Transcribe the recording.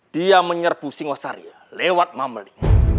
dia menyerbu singwasaria lewat mameli